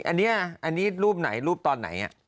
อันนี้อันนี้รูปไหนรูปตอนไหน